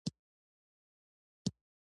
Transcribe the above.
خوب د ستومانه ذهن دمه ده